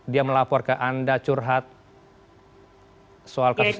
dia melapor ke anda curhat soal kasus ini